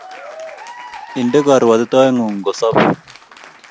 Inde karuatitoet ngung kosob